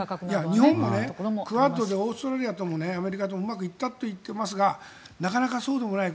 日本もクアッドでオーストラリアともアメリカとうまくいったと言っていますがなかなかそうでもない。